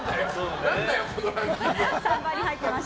何だよ、このランキング。